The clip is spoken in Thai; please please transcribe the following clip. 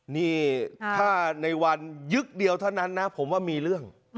นี่ถ้าในวันยึกเดียวเท่านั้นนะผมว่ามีเรื่อง